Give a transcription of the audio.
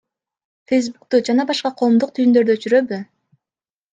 Фэйсбукту жана башка коомдук түйүндөрдү өчүрөбү?